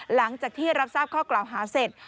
หลังจากที่รับทราบข้อกล่าวหาเสร็จ